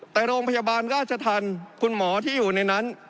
แต่โรงพยาบาลราชธรรมคุณหมอที่อยู่ในนั้น